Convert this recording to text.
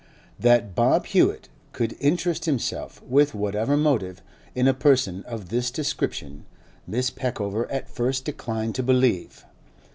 That Bob Hewett could interest himself, with whatever motive, in a person of this description, Miss Peckover at first declined to believe.